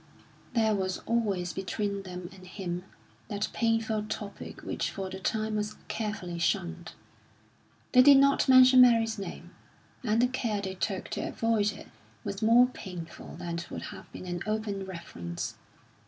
There was always between them and him that painful topic which for the time was carefully shunned. They did not mention Mary's name, and the care they took to avoid it was more painful than would have been an open reference.